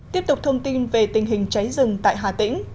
tiếp tục thông tin về tình hình cháy rừng tại hà tĩnh